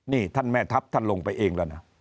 นี่ท่านแม่ทัพท่านลงไปเองแล้วนะ